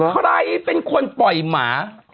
ใครเป็นคนปล่อยหมา